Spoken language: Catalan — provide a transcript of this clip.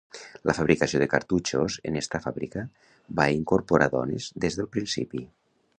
La fabricació de cartutxos en esta fàbrica va incorporar dones des del principi.